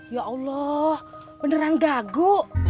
ya allah beneran gagu